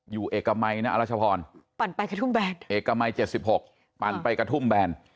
เอกมัยนะอรัชพรปั่นไปกระทุ่มแบนเอกมัย๗๖ปั่นไปกระทุ่มแบน